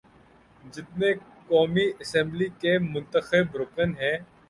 جتنے قومی اسمبلی کے منتخب رکن ہیں۔